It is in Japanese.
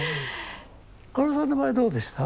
かおるさんの場合どうでした？